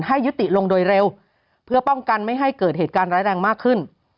ให้ยุติลงโดยเร็วเพื่อป้องกันไม่ให้เกิดเหตุการณ์ร้ายแรงมากขึ้น